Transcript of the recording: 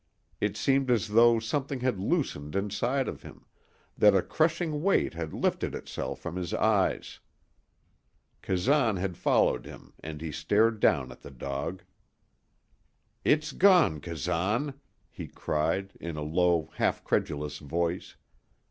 It seemed as though something had loosened inside of him, that a crushing weight had lifted itself from his eyes. Kazan had followed him, and he stared down at the dog. "It's gone, Kazan," he cried, in a low, half credulous voice.